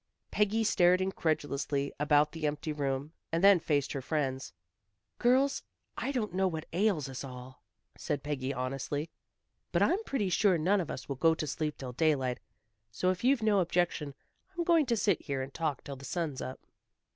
Peggy stared incredulously about the empty room, and then faced her friends. "Girls, I don't know what ails us all," said Peggy honestly, "but I'm pretty sure none of us will go to sleep till daylight. So, if you've no objection, I'm going to sit here and talk till the sun's up."